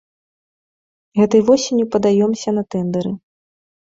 Гэтай восенню падаёмся на тэндары.